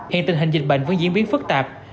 hiện tình hình dịch bệnh vẫn diễn biến phức tạp